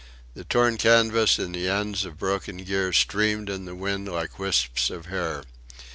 The torn canvas and the ends of broken gear streamed in the wind like wisps of hair.